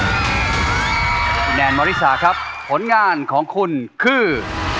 คุณแนนมริสาครับผลงานของคุณคือ